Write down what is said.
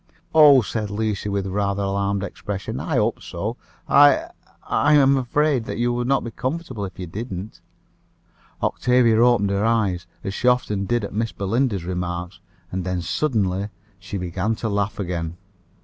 "Oh!" said Lucia, with a rather alarmed expression, "I hope so. I I am afraid you would not be comfortable if you didn't." Octavia opened her eyes, as she often did at Miss Belinda's remarks, and then suddenly she began to laugh again.